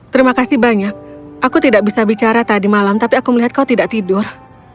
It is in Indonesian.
terima kasih banyak aku tidak bisa bicara tadi malam tapi aku melihat kau tidak tidur